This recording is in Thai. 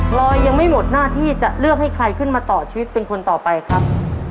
ลอยยังไม่หมดหน้าที่จะเลือกให้ใครขึ้นมาต่อชีวิตเป็นคนต่อไปครับ